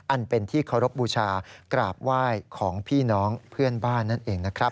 อันเป็นที่เคารพบูชากราบไหว้ของพี่น้องเพื่อนบ้านนั่นเองนะครับ